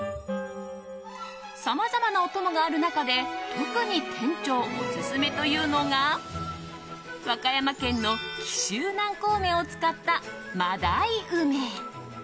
さまざまなお供がある中で特に店長オススメというのが和歌山県の紀州南高梅を使った真鯛梅。